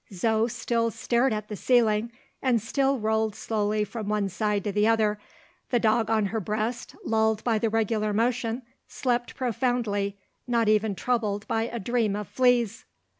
Zo still stared at the ceiling, and still rolled slowly from one side to the other. The dog on her breast, lulled by the regular motion, slept profoundly not even troubled by a dream of fleas!